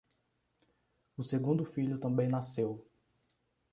O segundo filho também nasceu.